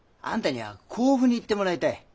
あんたには甲府に行ってもらいたい。